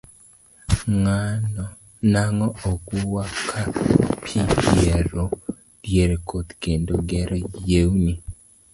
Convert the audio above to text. Nang'o ok waka pii diere koth kendo gero yewni.